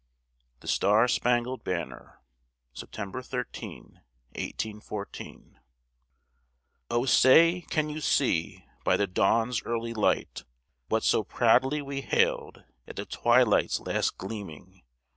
THE STAR SPANGLED BANNER [September 13, 1814] O say, can you see, by the dawn's early light, What so proudly we hailed at the twilight's last gleaming?